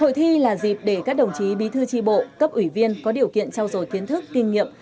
hội thi là dịp để các đồng chí bí thư tri bộ cấp ủy viên có điều kiện trao dồi kiến thức kinh nghiệm